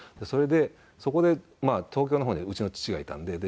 それでそこで東京の方にうちの父がいたんで。